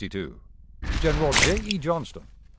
"General J. E. Johnston